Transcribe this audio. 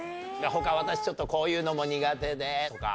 他私ちょっとこういうのも苦手でとか。